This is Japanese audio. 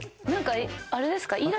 何かあれですか。